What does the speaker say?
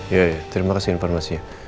ya terima kasih informasinya